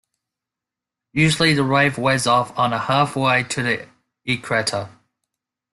Usually the Wave wears off on a half way to the equator.